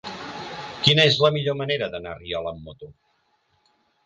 Quina és la millor manera d'anar a Riola amb moto?